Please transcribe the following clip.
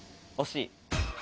おしい。